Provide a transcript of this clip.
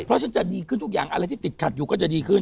เพราะฉันจะดีขึ้นทุกอย่างอะไรที่ติดขัดอยู่ก็จะดีขึ้น